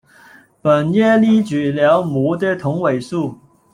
本页列举了镆的同位素。